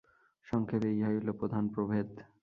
সংক্ষেপে ইহাই হইল প্রধান প্রভেদ।